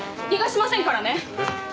逃がしませんからね！